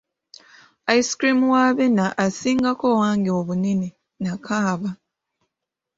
Ice cream wa Abena asingako owange obunene, n'akaaba.